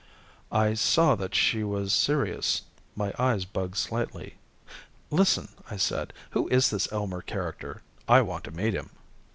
I saw that she was serious. My eyes bugged slightly. "Listen," I said, "who is this Elmer character? I want to meet him!"